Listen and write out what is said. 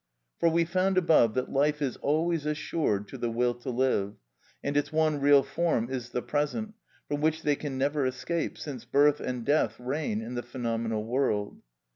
For we found above that life is always assured to the will to live, and its one real form is the present, from which they can never escape, since birth and death reign in the phenomenal world.